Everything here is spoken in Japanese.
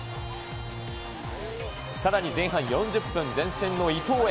さらに前半４０分、前線の伊東へ。